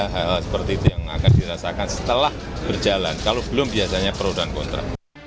hal hal seperti itu yang akan dirasakan setelah berjalan kalau belum biasanya pro dan kontra